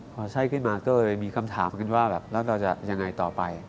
พอใช่ขึ้นมาก็เลยมีคำถามกันว่าแบบแล้วเราจะยังไงต่อไป